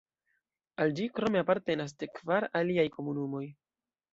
Al ĝi krome apartenas dek-kvar aliaj komunumoj.